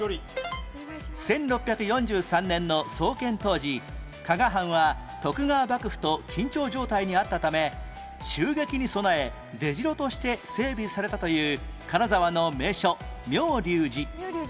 １６４３年の創建当時加賀藩は徳川幕府と緊張状態にあったため襲撃に備え出城として整備されたという金沢の名所妙立寺